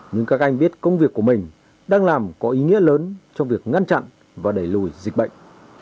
nhưng các anh biết công việc của mình đang làm có ý nghĩa lớn trong việc ngăn chặn và đẩy lùi dịch bệnh